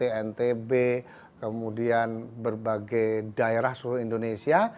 bntb kemudian berbagai daerah seluruh indonesia